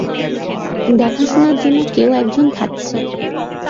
দেখা-শুনার জন্য কেউ একজন থাকছে।